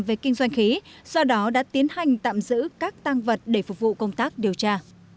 về kinh doanh khí do đó đã tiến hành tạm giữ các tăng vật để phục vụ công tác điều tra